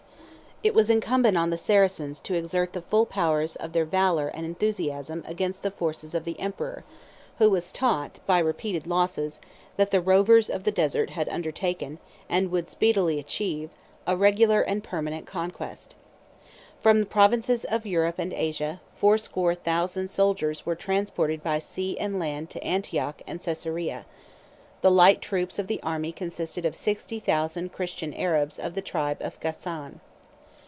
] It was incumbent on the Saracens to exert the full powers of their valor and enthusiasm against the forces of the emperor, who was taught, by repeated losses, that the rovers of the desert had undertaken, and would speedily achieve, a regular and permanent conquest. From the provinces of Europe and Asia, fourscore thousand soldiers were transported by sea and land to Antioch and Caesarea: the light troops of the army consisted of sixty thousand Christian Arabs of the tribe of Gassan.